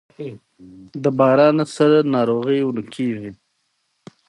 ډيپلومات د هیواد عزت خوندي ساتي.